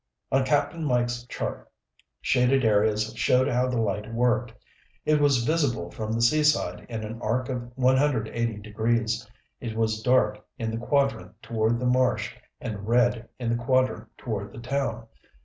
On Cap'n Mike's chart, shaded areas showed how the light worked. It was visible from the seaside in an arc of 180 degrees. It was dark in the quadrant toward the marsh and red in the quadrant toward the town.